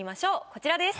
こちらです。